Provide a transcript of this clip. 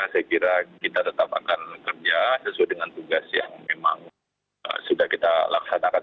saya kira kita tetap akan kerja sesuai dengan tugas yang memang sudah kita laksanakan